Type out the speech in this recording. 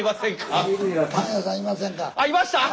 あいました？